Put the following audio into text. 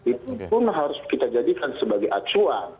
itu pun harus kita jadikan sebagai acuan